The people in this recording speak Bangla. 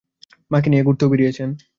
মাকে নিয়ে ঘুরতেও বেরিয়েছেন।